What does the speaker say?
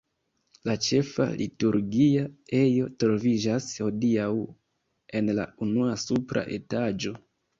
La ĉefa liturgia ejo troviĝas hodiaŭ en la unua supra etaĝo.